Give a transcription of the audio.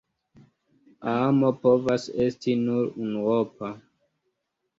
Amo povas esti nur unuopa.